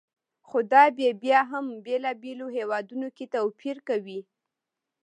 خو دا بیې بیا هم بېلابېلو هېوادونو کې توپیر کوي.